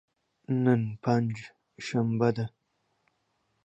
نن پنج شنبه ده.